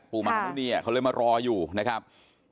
มหาธมุณีเขาเลยมารออยู่นะครับ